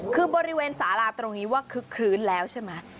คือบริเวณสาราตรงนี้ว่าคึกคลื้นแล้วใช่ไหม